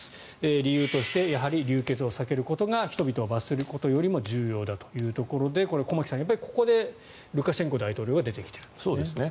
理由としてやはり流血を避けることが人々を罰することよりも重要だというところで駒木さん、ここでルカシェンコ大統領が出てきてるんですね。